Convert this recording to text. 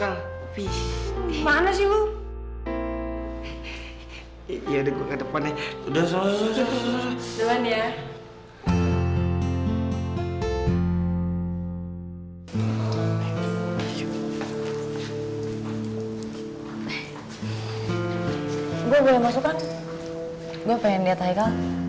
gue pengen lihat aika